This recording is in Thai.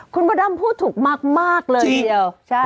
คุณพระดัมพูดถูกมากเลย